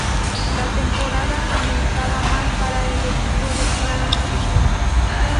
La temporada comenzaba mal para el equipo de Frank Williams.